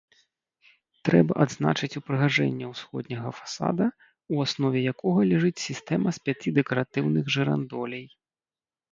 Трэба адзначыць упрыгажэнне ўсходняга фасада, у аснове якога ляжыць сістэма з пяці дэкаратыўных жырандолей.